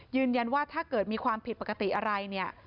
ยืนยันว่าถ้าเกิดมีความผิดปกติอะไร